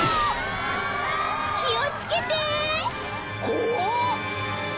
［気を付けて！］